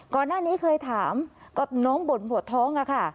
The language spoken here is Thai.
ก่อนหน้านี้เคยถามก็น้องบ่นปวดท้องอะค่ะ